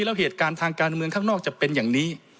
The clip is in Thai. แล้วเหตุการณ์ทางการเมืองข้างนอกจะเป็นอย่างนี้